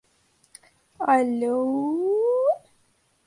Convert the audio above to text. The town of Kinnegad is directly to the east of the townland.